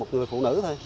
một người phụ nữ thôi